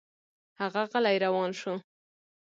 هغه غلی روان شو.